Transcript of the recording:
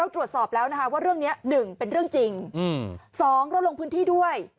ตรวจสอบแล้วเรื่องนี้๑เป็นเรื่องจริง๒ลงพื้นที่ด้วย